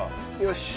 よし。